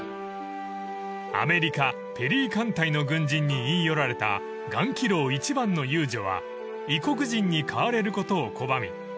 ［アメリカペリー艦隊の軍人に言い寄られた岩亀楼一番の遊女は異国人に買われることを拒み